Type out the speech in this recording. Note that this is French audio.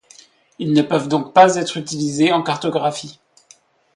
Ils ne peuvent donc pas être utilisés en cartographie.